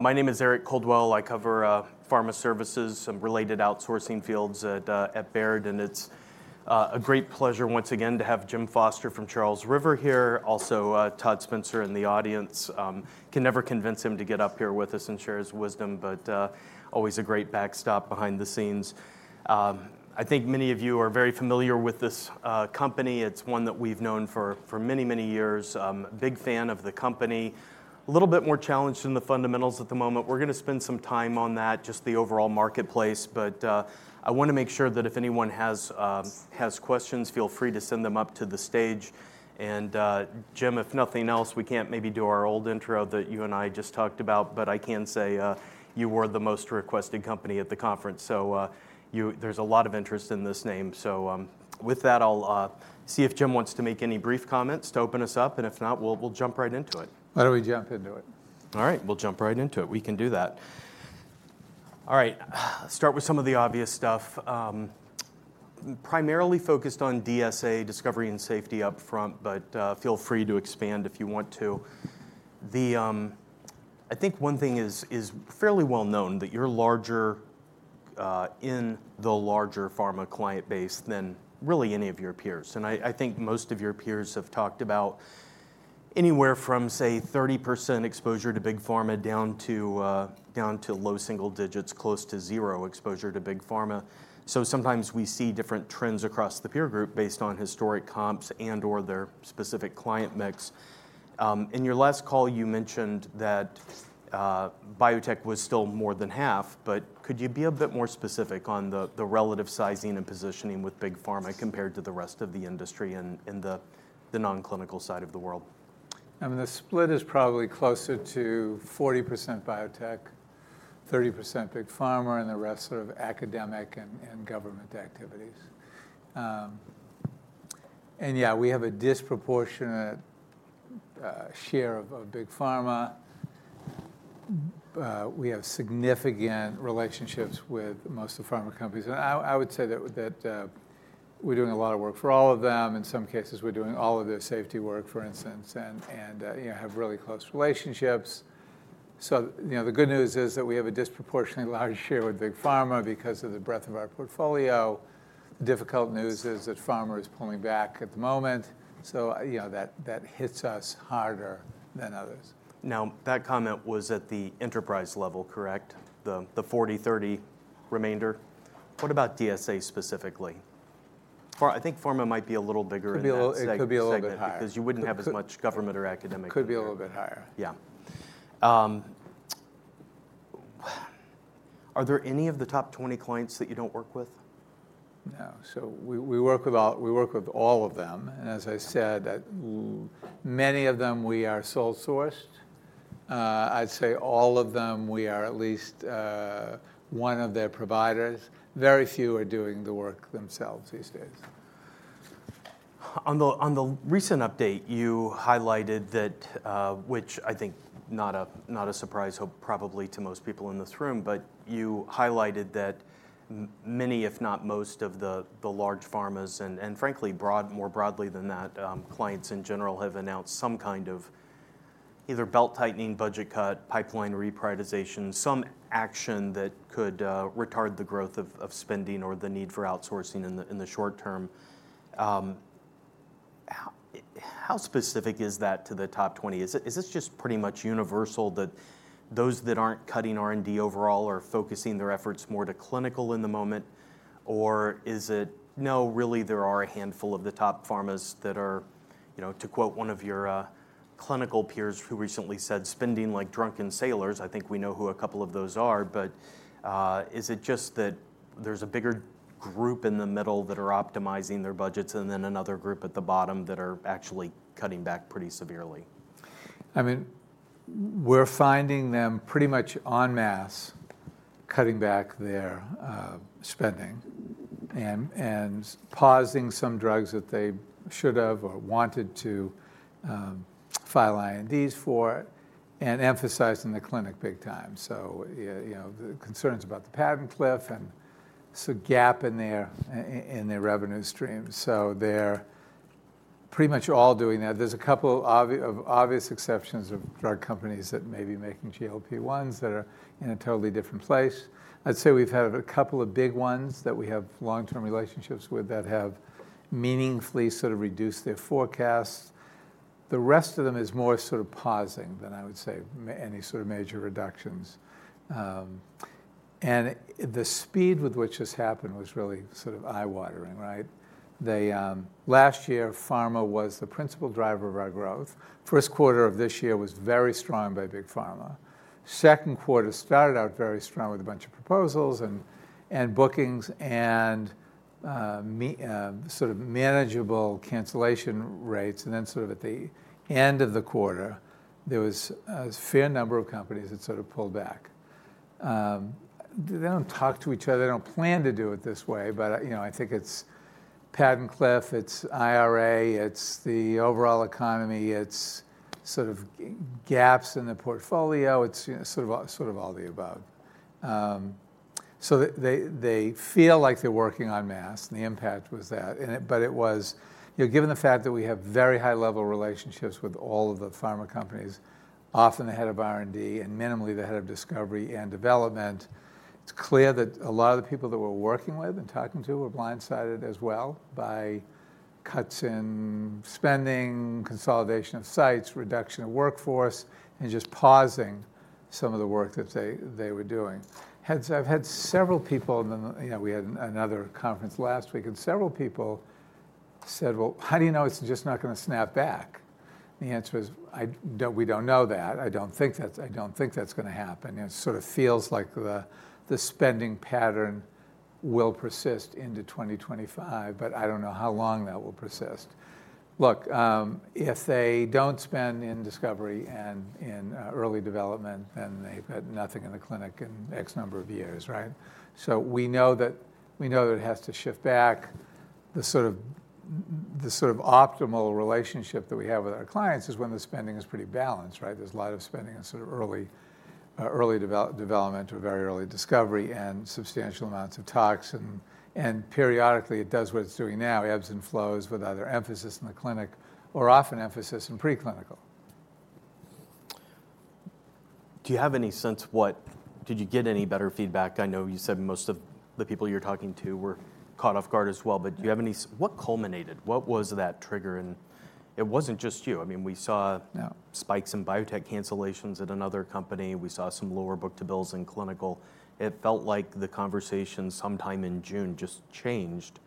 My name is Eric Coldwell. I cover pharma services and related outsourcing fields at at Baird, and it's a great pleasure once again to have Jim Foster from Charles River here. Also, Todd Spencer in the audience. I can never convince him to get up here with us and share his wisdom, but always a great backstop behind the scenes. I think many of you are very familiar with this company. It's one that we've known for many, many years. Big fan of the company. A little bit more challenged in the fundamentals at the moment. We're gonna spend some time on that, just the overall marketplace. But I wanna make sure that if anyone has questions, feel free to send them up to the stage. Jim, if nothing else, we can't maybe do our old intro that you and I just talked about, but I can say you were the most requested company at the conference, so you-- there's a lot of interest in this name. So, with that, I'll see if Jim wants to make any brief comments to open us up, and if not, we'll jump right into it. Why don't we jump into it? All right. We'll jump right into it. We can do that. All right, start with some of the obvious stuff. Primarily focused on DSA, discovery and safety up front, but feel free to expand if you want to. The... I think one thing is fairly well known, that you're larger in the larger pharma client base than really any of your peers. I think most of your peers have talked about anywhere from, say, 30% exposure to big pharma, down to low single digits, close to zero exposure to big pharma. So sometimes we see different trends across the peer group based on historic comps and or their specific client mix. In your last call, you mentioned that biotech was still more than half, but could you be a bit more specific on the relative sizing and positioning with big pharma compared to the rest of the industry and the non-clinical side of the world? I mean, the split is probably closer to 40% biotech, 30% big pharma, and the rest are academic and government activities. Yeah, we have a disproportionate share of big pharma. We have significant relationships with most of the pharma companies. And I would say that we're doing a lot of work for all of them. In some cases, we're doing all of their safety work, for instance, and you know, have really close relationships. So, you know, the good news is that we have a disproportionately large share with big pharma because of the breadth of our portfolio. The difficult news is that pharma is pulling back at the moment, so, you know, that hits us harder than others. Now, that comment was at the enterprise level, correct? The 40-30 remainder. What about DSA specifically? I think pharma might be a little bigger in that segment- Could be a little bit higher.... because you wouldn't have as much government or academic. Could be a little bit higher. Yeah. Are there any of the top 20 clients that you don't work with? No. So we, we work with all, we work with all of them, and as I said, with many of them, we are sole sourced. I'd say all of them, we are at least one of their providers. Very few are doing the work themselves these days. On the recent update, you highlighted that, which I think not a surprise, probably to most people in this room. But you highlighted that many, if not most of the large pharmas and frankly, more broadly than that, clients in general, have announced some kind of either belt-tightening, budget cut, pipeline reprioritization, some action that could retard the growth of spending or the need for outsourcing in the short term. How specific is that to the top twenty? Is this just pretty much universal that those that aren't cutting R&D overall are focusing their efforts more to clinical in the moment? Or is it, no, really, there are a handful of the top pharma that are, you know, to quote one of your clinical peers who recently said, "Spending like drunken sailors," I think we know who a couple of those are. But, is it just that there's a bigger group in the middle that are optimizing their budgets, and then another group at the bottom that are actually cutting back pretty severely? I mean, we're finding them pretty much en masse, cutting back their spending, and pausing some drugs that they should have or wanted to file INDs for, and emphasizing the clinic big time. So you know, the concerns about the patent cliff and there's a gap in their revenue stream, so they're pretty much all doing that. There's a couple of obvious exceptions of drug companies that may be making GLP-1s that are in a totally different place. I'd say we've had a couple of big ones that we have long-term relationships with that have meaningfully sort of reduced their forecasts. The rest of them is more sort of pausing than I would say any sort of major reductions, and the speed with which this happened was really sort of eye-watering, right? They Last year, pharma was the principal driver of our growth. First quarter of this year was very strong by big pharma. Second quarter started out very strong with a bunch of proposals and, and bookings and, sort of manageable cancellation rates, and then sort of at the end of the quarter, there was a fair number of companies that sort of pulled back. They don't talk to each other, they don't plan to do it this way, but, you know, I think it's patent cliff, it's IRA, it's the overall economy, it's sort of gaps in the portfolio, it's, you know, sort of, sort of all the above. So they, they, they feel like they're working en masse, and the impact was that. But it was, you know, given the fact that we have very high-level relationships with all of the pharma companies, often the head of R&D and minimally the head of discovery and development. It's clear that a lot of the people that we're working with and talking to were blindsided as well by cuts in spending, consolidation of sites, reduction of workforce, and just pausing some of the work that they were doing. Hence, I've had several people, you know, we had another conference last week, and several people said, "Well, how do you know it's just not gonna snap back?" The answer is, I don't, we don't know that. I don't think that's gonna happen, and it sort of feels like the spending pattern will persist into 2025, but I don't know how long that will persist. Look, if they don't spend in discovery and in early development, then they've had nothing in the clinic in X number of years, right? So we know that, we know that it has to shift back. The sort of optimal relationship that we have with our clients is when the spending is pretty balanced, right? There's a lot of spending in sort of early development or very early discovery, and substantial amounts of tox, and periodically, it does what it's doing now, ebbs and flows with either emphasis in the clinic or often emphasis in preclinical. Do you have any sense what? Did you get any better feedback? I know you said most of the people you're talking to were caught off guard as well, but do you have any sense what culminated? What was that trigger? And it wasn't just you. I mean, we saw. Yeah... spikes in biotech cancellations at another company. We saw some lower book-to-bills in clinical. It felt like the conversation sometime in June just changed.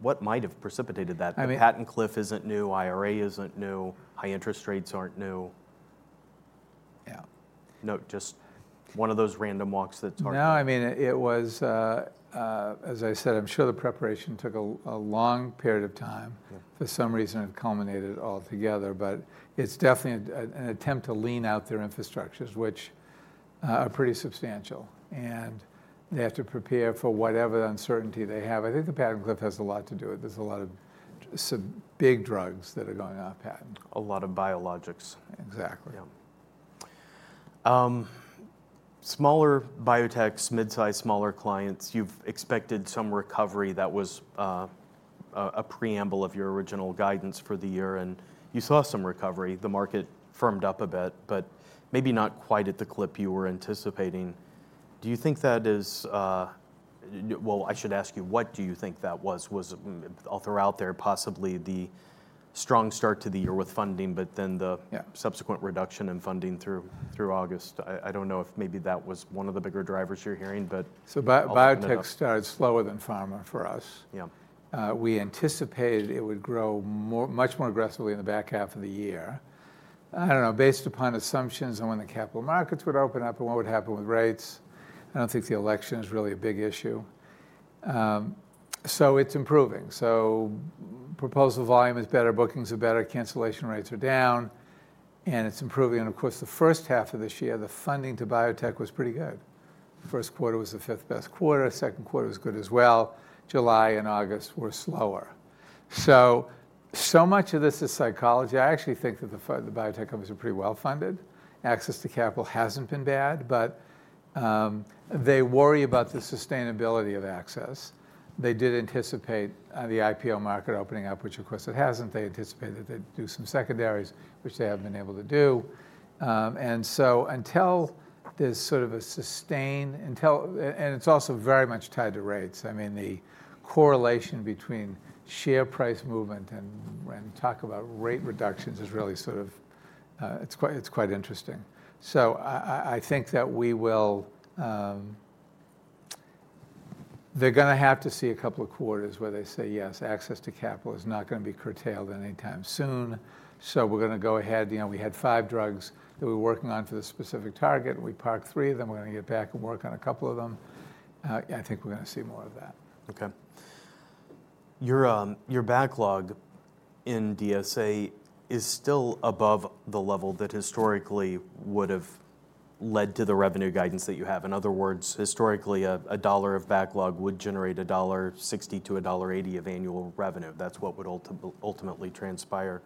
What might have precipitated that? I mean- The patent cliff isn't new, IRA isn't new, high interest rates aren't new. Yeah. You know, just one of those random walks that target- No, I mean, it was. As I said, I'm sure the preparation took a long period of time. Yeah. For some reason, it culminated all together. But it's definitely an attempt to lean out their infrastructures, which are pretty substantial, and they have to prepare for whatever uncertainty they have. I think the patent cliff has a lot to do with it. There's a lot of some big drugs that are going off patent. A lot of biologics. Exactly. Yeah. Smaller biotechs, mid-size, smaller clients, you've expected some recovery that was a preamble of your original guidance for the year, and you saw some recovery. The market firmed up a bit, but maybe not quite at the clip you were anticipating. Do you think that is... Well, I should ask you, what do you think that was? Was, I'll throw out there, possibly the strong start to the year with funding, but then the- Yeah... subsequent reduction in funding through August. I don't know if maybe that was one of the bigger drivers you're hearing, but- So, biotech started slower than pharma for us. Yeah. We anticipated it would grow more, much more aggressively in the back half of the year. I don't know, based upon assumptions on when the capital markets would open up and what would happen with rates. I don't think the election is really a big issue, so it's improving, so proposal volume is better, bookings are better, cancellation rates are down, and it's improving, and of course, the first half of this year, the funding to biotech was pretty good. First quarter was the fifth best quarter, second quarter was good as well. July and August were slower, so, so much of this is psychology. I actually think that the biotech companies are pretty well funded. Access to capital hasn't been bad, but they worry about the sustainability of access. They did anticipate the IPO market opening up which of course it hasn't. They anticipated they'd do some secondaries, which they haven't been able to do. And so until there's sort of a sustained... and it's also very much tied to rates. I mean, the correlation between share price movement and when you talk about rate reductions is really sort of, it's quite interesting. So I think that we will... They're gonna have to see a couple of quarters where they say, Yes, access to capital is not gonna be curtailed anytime soon, so we're gonna go ahead. You know, we had five drugs that we were working on for this specific target, and we parked three of them. We're gonna get back and work on a couple of them." I think we're gonna see more of that. Okay. Your backlog in DSA is still above the level that historically would have led to the revenue guidance that you have. In other words, historically, a dollar of backlog would generate $1.60-$1.80 of annual revenue. That's what would ultimately transpire.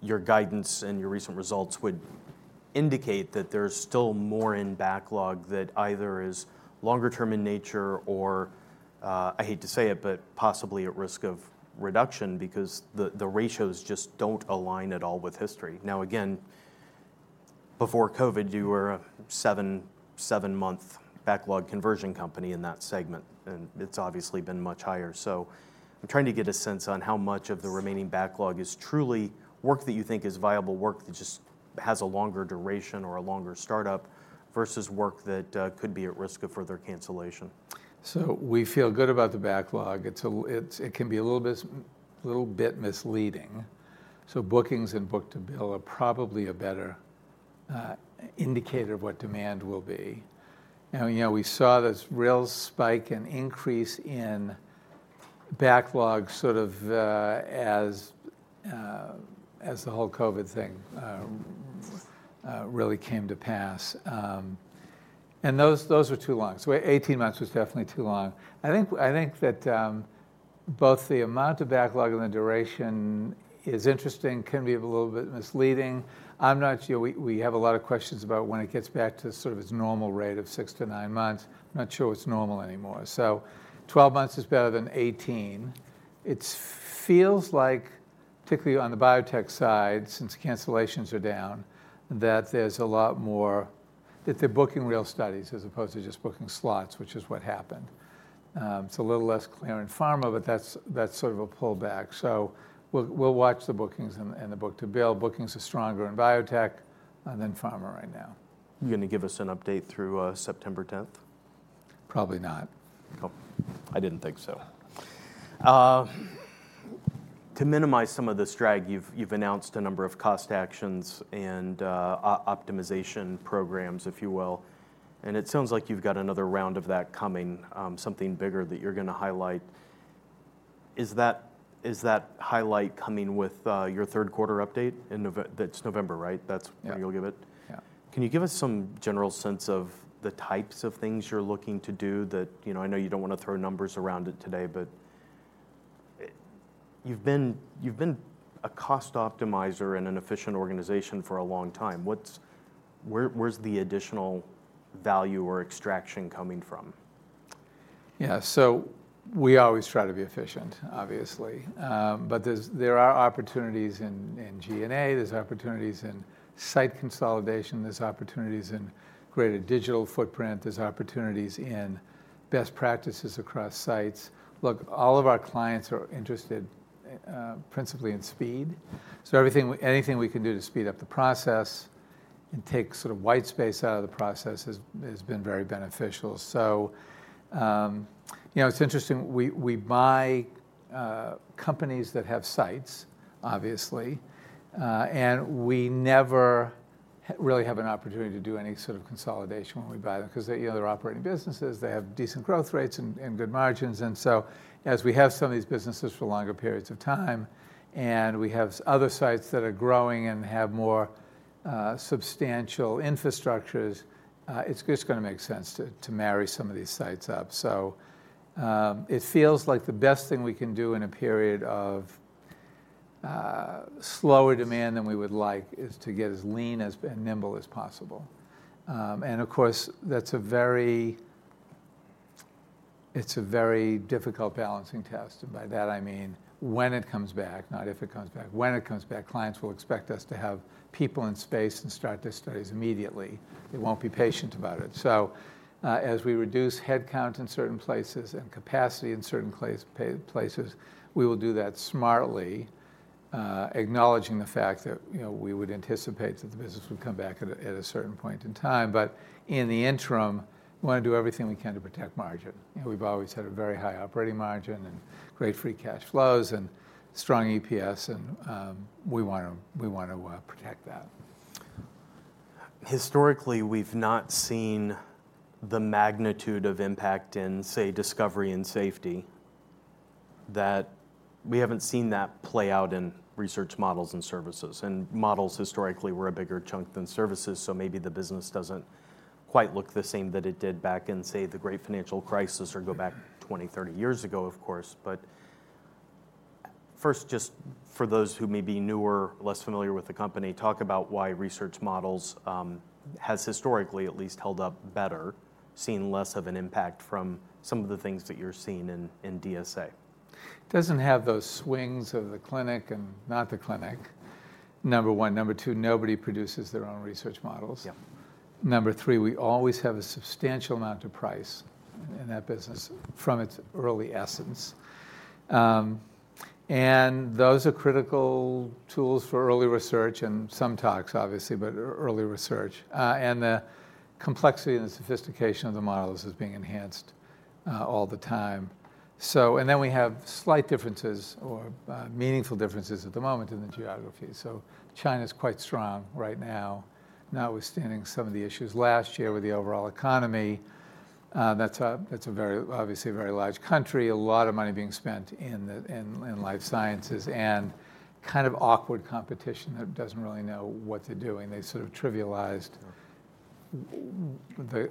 Your guidance and your recent results would indicate that there's still more in backlog that either is longer term in nature or I hate to say it, but possibly at risk of reduction because the ratios just don't align at all with history. Now, again, before COVID, you were a seven-month backlog conversion company in that segment, and it's obviously been much higher. So I'm trying to get a sense on how much of the remaining backlog is truly work that you think is viable, work that just has a longer duration or a longer startup, versus work that could be at risk of further cancellation? So we feel good about the backlog. It's a little bit misleading. So bookings and book-to-bill are probably a better indicator of what demand will be. And, you know, we saw this real spike and increase in backlog, sort of, as the whole COVID thing really came to pass. And those are too long. So 18 months was definitely too long. I think that both the amount of backlog and the duration is interesting, can be a little bit misleading. I'm not sure we have a lot of questions about when it gets back to sort of its normal rate of six to nine months. I'm not sure what's normal anymore. So 12 months is better than 18. It feels like, particularly on the biotech side, since cancellations are down, that there's a lot more, that they're booking real studies as opposed to just booking slots, which is what happened. It's a little less clear in pharma, but that's sort of a pullback. So we'll watch the bookings and the book-to-bill. Bookings are stronger in biotech than pharma right now. You're gonna give us an update through September tenth? Probably not. Cool. I didn't think so. To minimize some of this drag, you've announced a number of cost actions and optimization programs, if you will, and it sounds like you've got another round of that coming, something bigger that you're gonna highlight. Is that highlight coming with your third quarter update in November, that's November, right? That's- Yeah. When you'll give it? Yeah. Can you give us some general sense of the types of things you're looking to do that... You know, I know you don't wanna throw numbers around it today, but, you've been a cost optimizer and an efficient organization for a long time. What's where's the additional value or extraction coming from? Yeah, so we always try to be efficient, obviously. But there are opportunities in, in G&A, there's opportunities in site consolidation, there's opportunities in greater digital footprint, there's opportunities in best practices across sites. Look, all of our clients are interested principally in speed, so everything, anything we can do to speed up the process and take sort of white space out of the process has been very beneficial. So, you know, it's interesting, we buy companies that have sites, obviously, and we never really have an opportunity to do any sort of consolidation when we buy them, because, you know, they're operating businesses, they have decent growth rates and good margins. And so as we have some of these businesses for longer periods of time, and we have other sites that are growing and have more substantial infrastructures, it's just gonna make sense to marry some of these sites up. So it feels like the best thing we can do in a period of slower demand than we would like is to get as lean and as nimble as possible. And of course, that's a very difficult balancing test. And by that, I mean, when it comes back, not if it comes back, when it comes back, clients will expect us to have people and space and start their studies immediately. They won't be patient about it. As we reduce headcount in certain places and capacity in certain places, we will do that smartly, acknowledging the fact that, you know, we would anticipate that the business would come back at a certain point in time. But in the interim, we wanna do everything we can to protect margin. And we've always had a very high operating margin and great free cash flows and strong EPS, and we want to protect that. Historically, we've not seen the magnitude of impact in, say, discovery and safety, that we haven't seen that play out in research models and services. Models historically were a bigger chunk than services, so maybe the business doesn't quite look the same that it did back in, say, the great financial crisis, or go back 20, 30 years ago, of course. First, just for those who may be newer, less familiar with the company, talk about why research models have historically at least held up better, seen less of an impact from some of the things that you're seeing in DSA. Doesn't have those swings of the clinic and not the clinic, number one. Number two, nobody produces their own research models. Yeah. Number three, we always have a substantial amount to price in that business from its early essence. And those are critical tools for early research and some tasks, obviously, but early research. And the complexity and the sophistication of the models is being enhanced all the time. And then we have slight differences or meaningful differences at the moment in the geography. So China's quite strong right now, notwithstanding some of the issues last year with the overall economy. That's a very, obviously a very large country, a lot of money being spent in the in life sciences, and kind of awkward competition that doesn't really know what they're doing. They sort of trivialized- Yeah...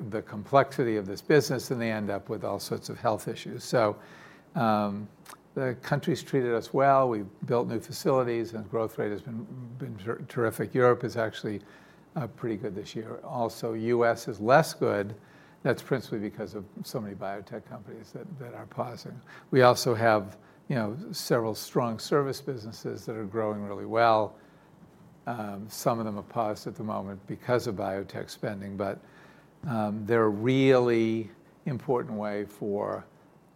the complexity of this business, and they end up with all sorts of health issues. So, the country's treated us well. We've built new facilities, and growth rate has been terrific. Europe is actually pretty good this year. Also, U.S. is less good. That's principally because of so many biotech companies that are pausing. We also have several strong service businesses that are growing really well. Some of them are paused at the moment because of biotech spending, but they're a really important way for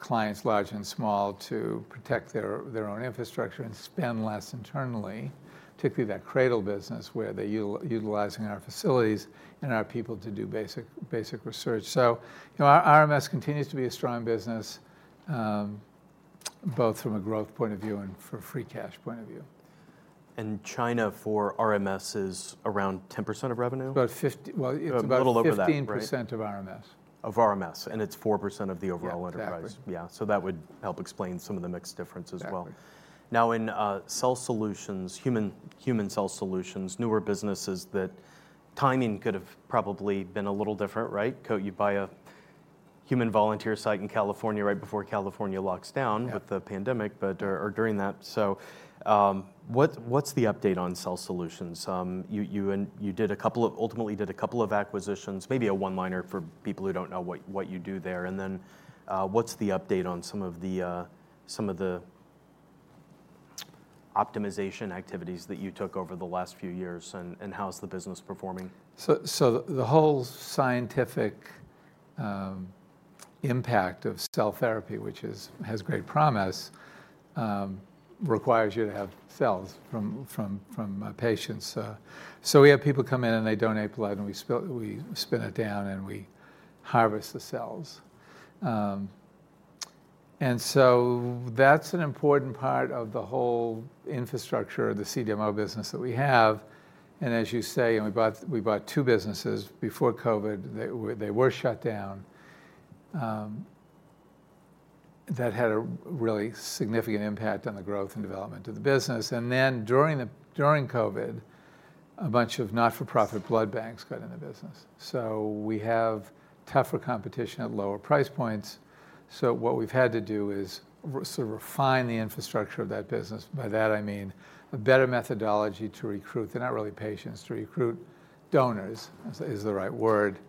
clients large and small, to protect their own infrastructure and spend less internally, particularly that cradle business, where they're utilizing our facilities and our people to do basic research. You know, our RMS continues to be a strong business, both from a growth point of view and for a free cash point of view. China for RMS is around 10% of revenue? Well, it's about- A little over that, right?... 15% of RMS. ... of RMS, and it's 4% of the overall enterprise. Yeah, exactly. Yeah. So that would help explain some of the mixed difference as well. Exactly. Now, in cell solutions, human cell solutions, newer businesses, that timing could have probably been a little different, right? So you buy a human volunteer site in California right before California locks down- Yeah... with the pandemic, but or during that, so what's the update on Cell Solutions? And you ultimately did a couple of acquisitions, maybe a one-liner for people who don't know what you do there, and then some of the optimization activities that you took over the last few years, and how's the business performing? The whole scientific impact of cell therapy, which has great promise, requires you to have cells from patients. We have people come in, and they donate blood, and we spin it down, and we harvest the cells. That's an important part of the whole infrastructure of the CDMO business that we have. As you say, we bought two businesses before COVID. They were shut down. That had a really significant impact on the growth and development of the business. Then, during COVID, a bunch of not-for-profit blood banks got in the business. We have tougher competition at lower price points, so what we've had to do is sort of refine the infrastructure of that business. By that, I mean, a better methodology to recruit... They're not really patients. To recruit donors is the right word.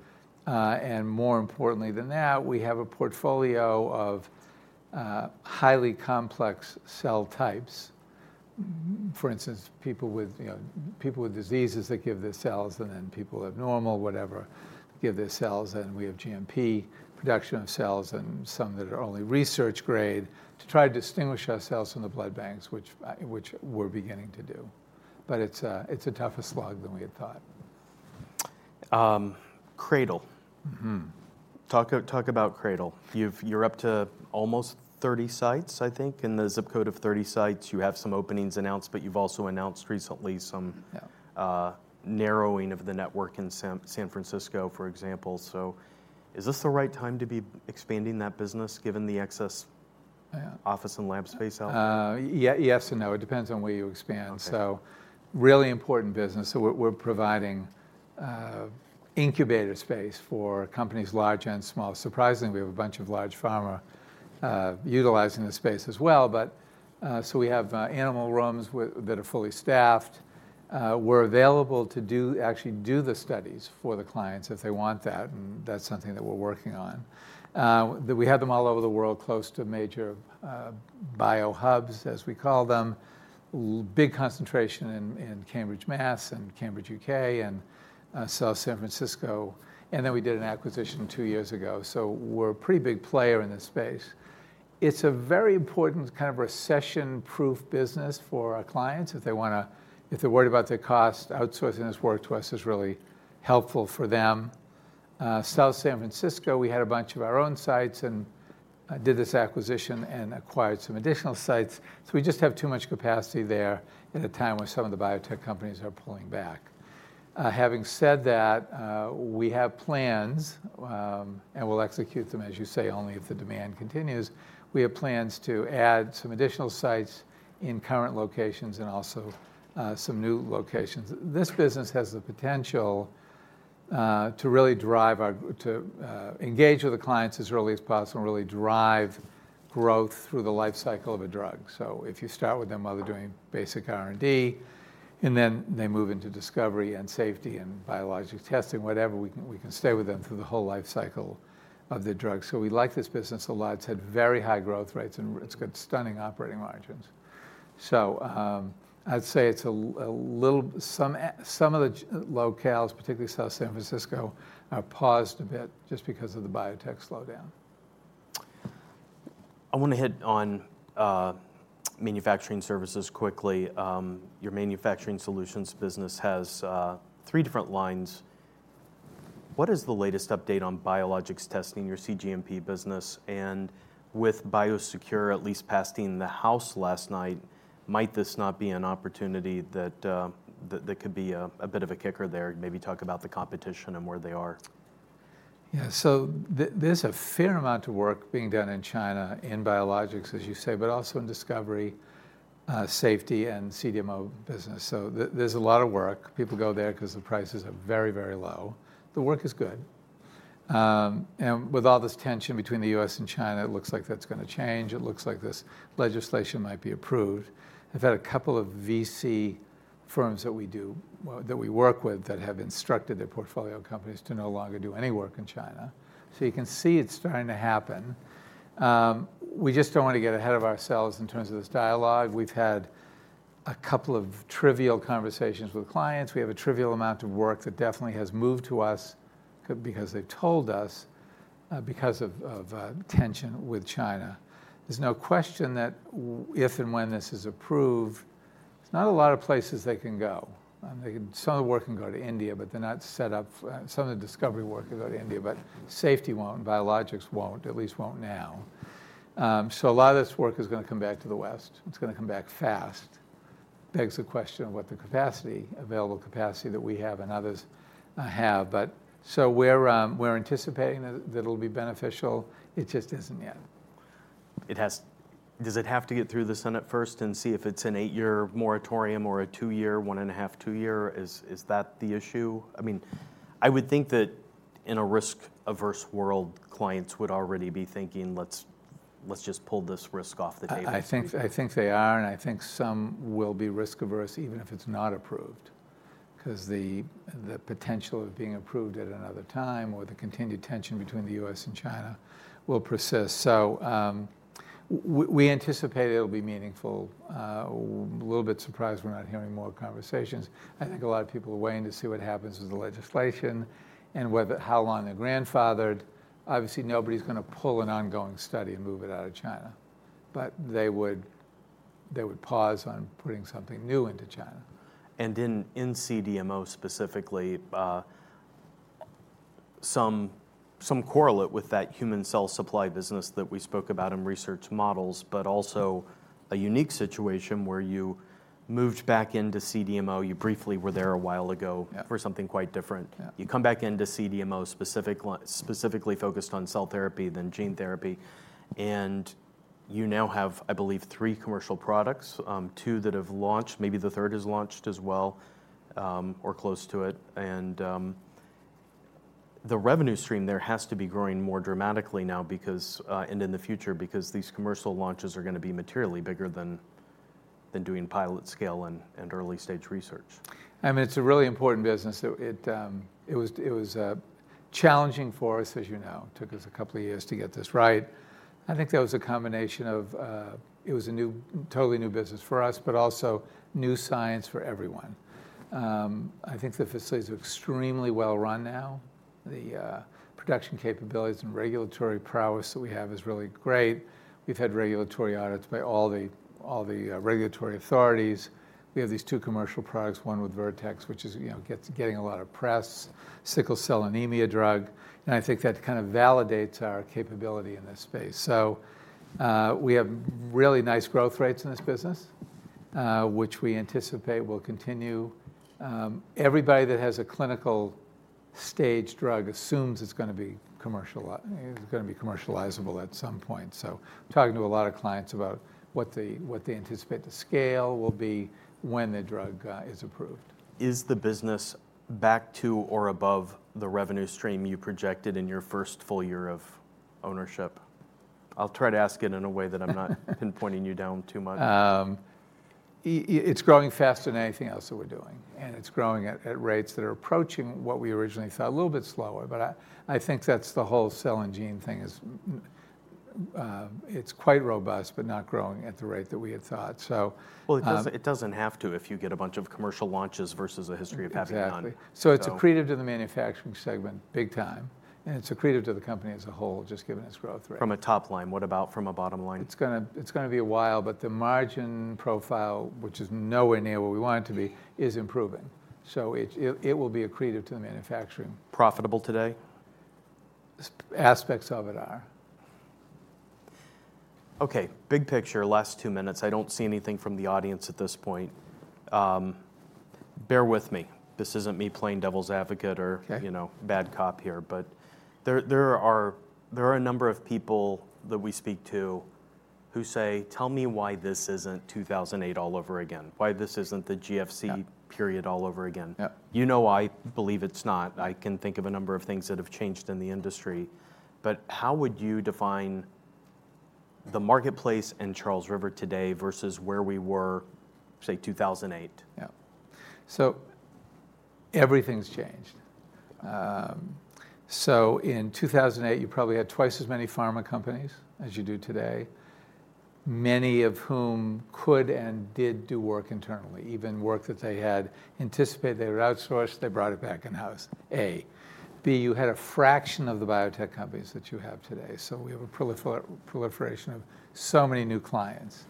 And more importantly than that, we have a portfolio of highly complex cell types. For instance, people with, you know, people with diseases that give their cells, and then people that normal, whatever, give their cells, and we have GMP production of cells and some that are only research grade, to try to distinguish ourselves from the blood banks, which we're beginning to do. But it's a tougher slog than we had thought. Um, Cradle. Mm-hmm. Talk about Cradle. You're up to almost 30 sites, I think, in the zip code of thirty sites. You have some openings announced, but you've also announced recently some- Yeah... narrowing of the network in San Francisco, for example. So is this the right time to be expanding that business, given the excess- Yeah... office and lab space out? Yes and no. It depends on where you expand. Okay. Really important business. We're providing incubator space for companies large and small. Surprisingly, we have a bunch of large pharma utilizing the space as well. We have animal rooms that are fully staffed. We're available to actually do the studies for the clients if they want that, and that's something that we're working on. That we have them all over the world, close to major bio hubs, as we call them. Big concentration in Cambridge, Mass. and Cambridge, UK, and South San Francisco, and then we did an acquisition two years ago. We're a pretty big player in this space. It's a very important kind of recession-proof business for our clients. If they wanna, if they're worried about the cost, outsourcing this work to us is really helpful for them. South San Francisco, we had a bunch of our own sites and did this acquisition and acquired some additional sites. So we just have too much capacity there at a time when some of the biotech companies are pulling back. Having said that, we have plans, and we'll execute them, as you say, only if the demand continues. We have plans to add some additional sites in current locations and also some new locations. This business has the potential to really drive our-- to engage with the clients as early as possible and really drive growth through the life cycle of a drug. So if you start with them while they're doing basic R&D, and then they move into discovery and safety and biologic testing, whatever, we can stay with them through the whole life cycle of the drug. So we like this business a lot. It's had very high growth rates, and it's got stunning operating margins. So, I'd say it's a little, some of the locales, particularly South San Francisco, are paused a bit just because of the biotech slowdown. I wanna hit on manufacturing services quickly. Your manufacturing solutions business has three different lines. What is the latest update on biologics testing, your cGMP business? And with BIOSECURE at least passing the House last night, might this not be an opportunity that could be a bit of a kicker there? Maybe talk about the competition and where they are. Yeah. So there's a fair amount of work being done in China, in biologics, as you say, but also in discovery, safety, and CDMO business. So there's a lot of work. People go there 'cause the prices are very, very low. The work is good. And with all this tension between the U.S. and China, it looks like that's gonna change. It looks like this legislation might be approved. I've had a couple of VC firms that we work with, that have instructed their portfolio companies to no longer do any work in China. So you can see it's starting to happen. We just don't want to get ahead of ourselves in terms of this dialogue. We've had a couple of trivial conversations with clients. We have a trivial amount of work that definitely has moved to us, because they've told us, because of tension with China. There's no question that if and when this is approved, there's not a lot of places they can go. They can. Some of the work can go to India, but they're not set up. Some of the discovery work can go to India, but safety won't, biologics won't, at least won't now. So a lot of this work is gonna come back to the West. It's gonna come back fast. Begs the question of what the capacity, available capacity that we have and others have. But we're anticipating that it'll be beneficial, it just isn't yet. It has. Does it have to get through the Senate first and see if it's an eight-year moratorium or a two-year, one and a half, two year? Is that the issue? I mean, I would think that in a risk-averse world, clients would already be thinking, let's just pull this risk off the table. I think they are, and I think some will be risk-averse even if it's not approved, 'cause the potential of being approved at another time, or the continued tension between the US and China will persist. So, we anticipate it'll be meaningful. Little bit surprised we're not hearing more conversations. I think a lot of people are waiting to see what happens with the legislation, and whether, how long they're grandfathered. Obviously, nobody's gonna pull an ongoing study and move it out of China, but they would pause on putting something new into China. In CDMO specifically, some correlate with that human cell supply business that we spoke about in research models, but also a unique situation where you moved back into CDMO. You briefly were there a while ago- Yeah. for something quite different. Yeah. You come back into CDMO, specific line, specifically focused on cell therapy, then gene therapy, and you now have, I believe, three commercial products, two that have launched, maybe the third is launched as well, or close to it. The revenue stream there has to be growing more dramatically now, because, and in the future, because these commercial launches are gonna be materially bigger than doing pilot scale and early stage research. I mean, it's a really important business. So it was challenging for us, as you know. Took us a couple of years to get this right. I think that was a combination of, it was a totally new business for us, but also new science for everyone. I think the facilities are extremely well run now. The production capabilities and regulatory prowess that we have is really great. We've had regulatory audits by all the regulatory authorities. We have these two commercial products, one with Vertex, which is, you know, getting a lot of press, sickle cell anemia drug and I think that kind of validates our capability in this space. So, we have really nice growth rates in this business, which we anticipate will continue. Everybody that has a clinical stage drug assumes it's gonna be commercializable at some point. So, talking to a lot of clients about what they anticipate the scale will be when the drug is approved. Is the business back to or above the revenue stream you projected in your first full year of ownership? I'll try to ask it in a way that I'm not pinpointing you down too much. It's growing faster than anything else that we're doing, and it's growing at rates that are approaching what we originally thought, a little bit slower, but I think that's the whole cell and gene thing is, it's quite robust, but not growing at the rate that we had thought, so. It doesn't have to, if you get a bunch of commercial launches versus a history of having none. Exactly. So- So it's accretive to the manufacturing segment, big time, and it's accretive to the company as a whole, just given its growth rate. From a top line, what about from a bottom line? It's gonna be a while, but the margin profile, which is nowhere near where we want it to be, is improving. So it will be accretive to the manufacturing. Profitable today? Aspects of it are. Okay, big picture, last two minutes. I don't see anything from the audience at this point. Bear with me. This isn't me playing devil's advocate or- Okay... you know, bad cop here. But there are a number of people that we speak to who say, "Tell me why this isn't 2008 all over again, why this isn't the GFC- Yeah Period all over again? Yeah. You know, I believe it's not. I can think of a number of things that have changed in the industry, but how would you define the marketplace in Charles River today versus where we were, say, 2008? Yeah. So everything's changed, so in two thousand and eight, you probably had twice as many pharma companies as you do today, many of whom could and did do work internally, even work that they had anticipated they would outsource, they brought it back in-house, A. B, you had a fraction of the biotech companies that you have today, so we have a proliferation of so many new clients.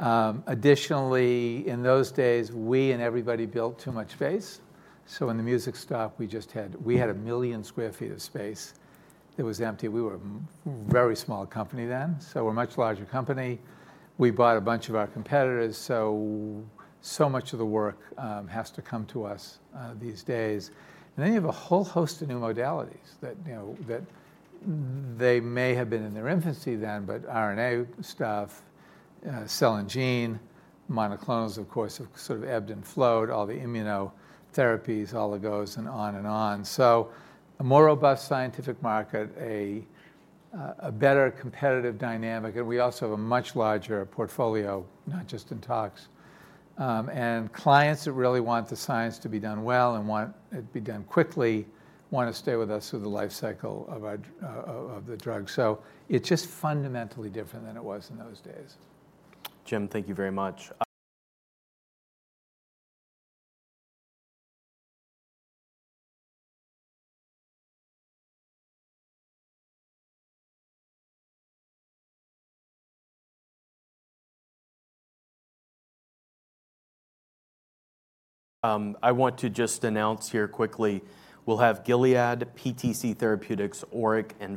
Additionally, in those days, we and everybody built too much space, so when the music stopped, we just had 1 million sq ft of space that was empty. We were a very small company then, so we're a much larger company. We bought a bunch of our competitors, so much of the work has to come to us these days. And then you have a whole host of new modalities that, you know, that they may have been in their infancy then, but RNA stuff, cell and gene, monoclonals, of course, have sort of ebbed and flowed, all the immunotherapies, oligos, and on and on. So a more robust scientific market, a better competitive dynamic, and we also have a much larger portfolio, not just in tox. And clients that really want the science to be done well, and want it be done quickly, wanna stay with us through the life cycle of our drug. So it's just fundamentally different than it was in those days. Jim, thank you very much. I want to just announce here quickly, we'll have Gilead, PTC Therapeutics, ORIC, and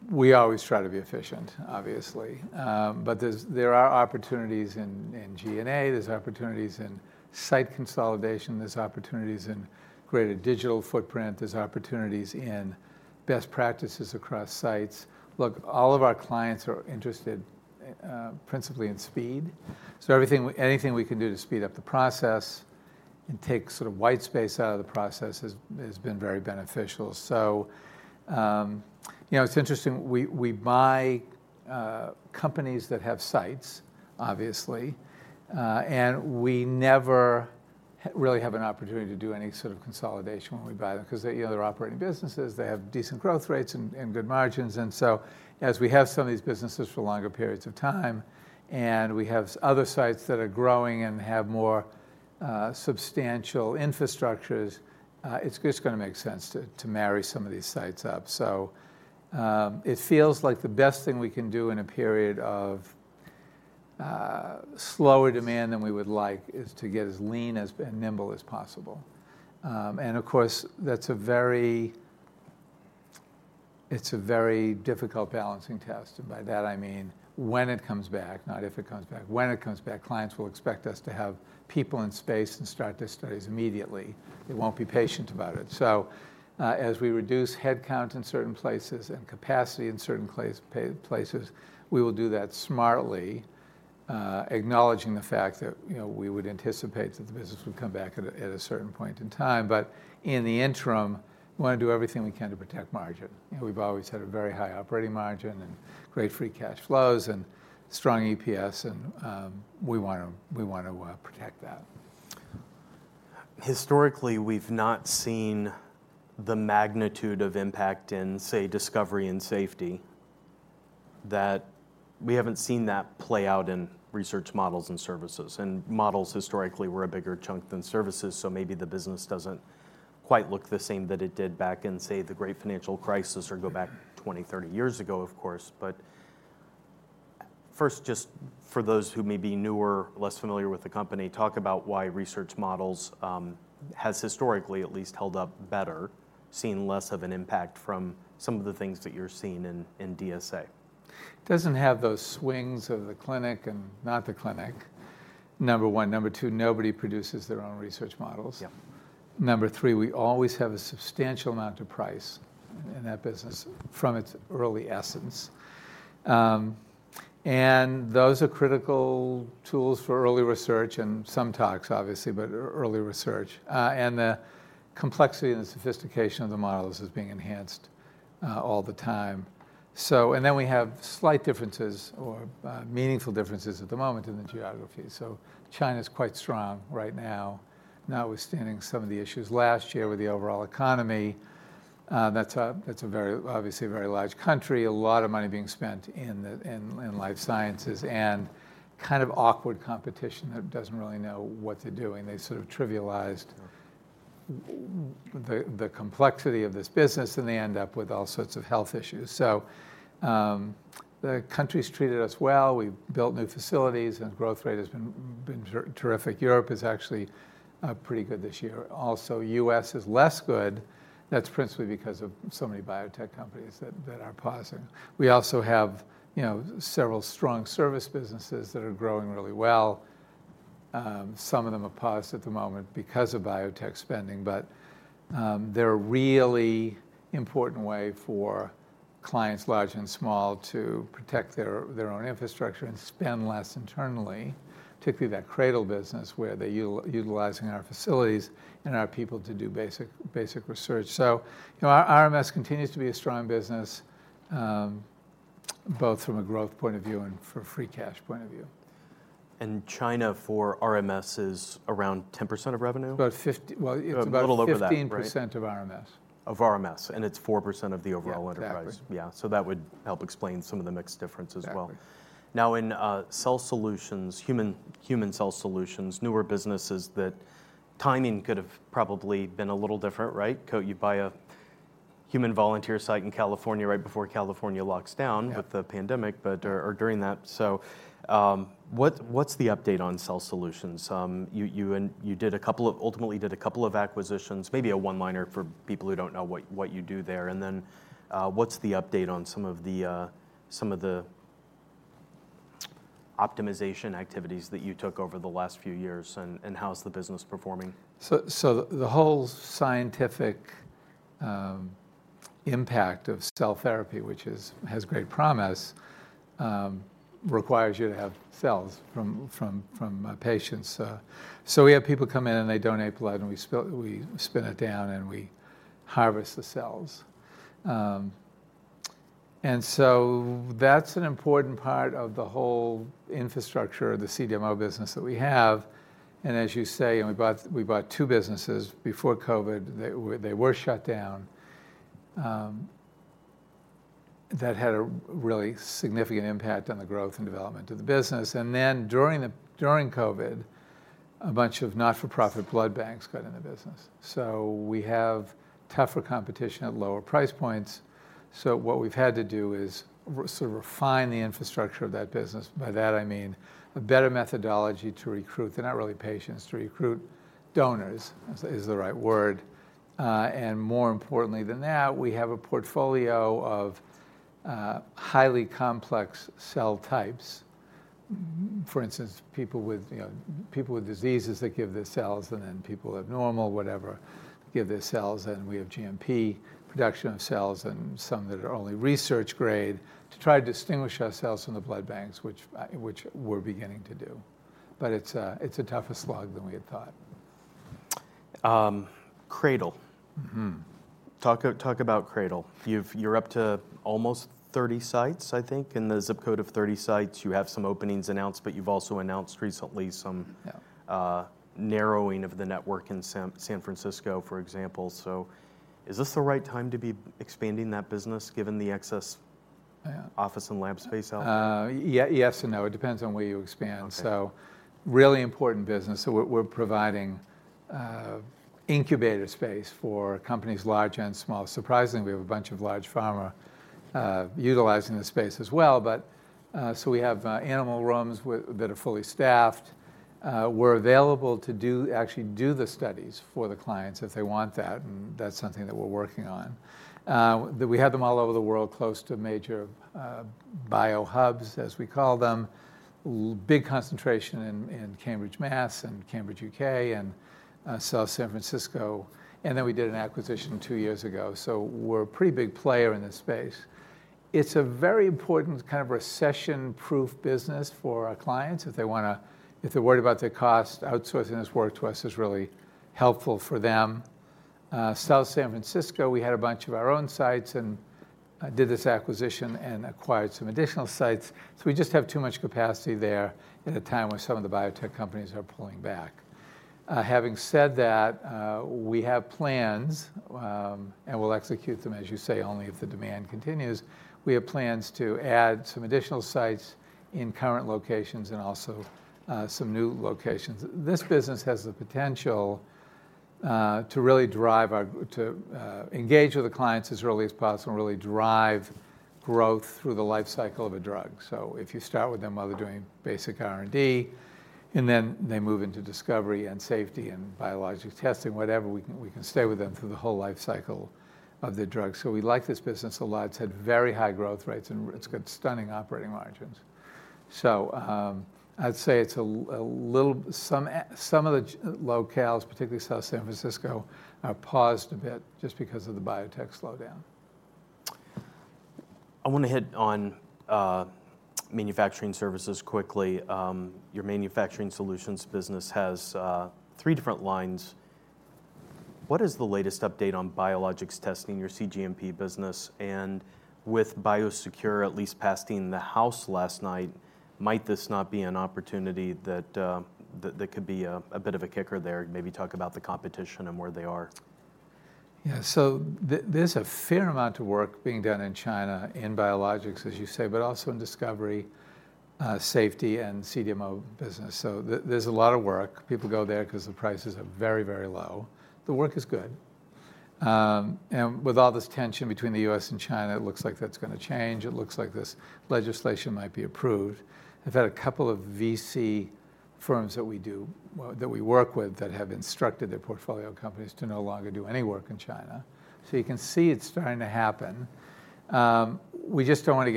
VitalConnect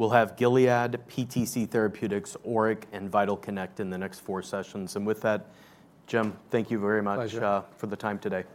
in the next four sessions. And with that, Jim, thank you very much. Pleasure... for the time today.